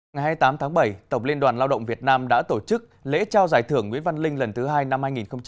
ngày hai mươi tám tháng bảy tổng liên đoàn lao động việt nam đã tổ chức lễ trao giải thưởng nguyễn văn linh lần thứ hai năm hai nghìn hai mươi